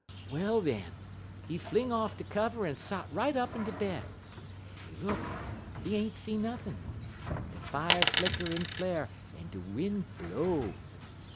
_ Well, den, he fling off de kivver en sot right up in de bed. He look, he ain't see nothin'. De fier flicker en flar' en de win' blow.